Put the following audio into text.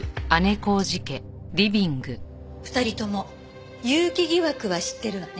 ２人とも結城疑惑は知ってるわね？